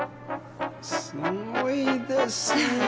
すんごいですねえ。